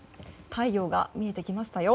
太陽が見えてきましたよ。